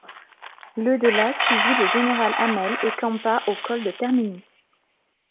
Le de la suivit le général Hammel et campa au col de Termini.